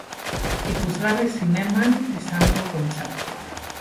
Ikusgarri zineman izango kontzertua.